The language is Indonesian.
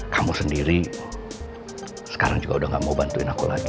kamu sendiri sekarang juga udah gak mau bantuin aku lagi